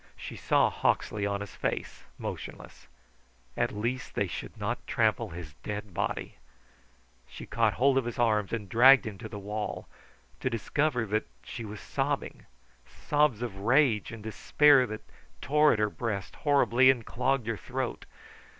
She saw Hawksley on his face, motionless. At least they should not trample his dead body. She caught hold of his arms and dragged him to the wall to discover that she was sobbing, sobs of rage and despair that tore at her breast horribly and clogged her throat.